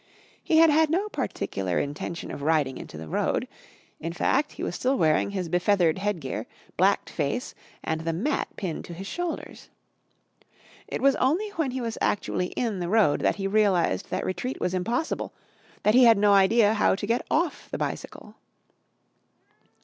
He had had no particular intention of riding into the road. In fact he was still wearing his befeathered headgear, blacked face, and the mat pinned to his shoulders. It was only when he was actually in the road that he realised that retreat was impossible, that he had no idea how to get off the bicycle.